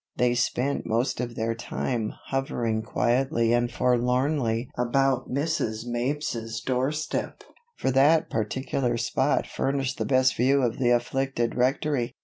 They spent most of their time hovering quietly and forlornly about Mrs. Mapes's doorstep, for that particular spot furnished the best view of the afflicted Rectory.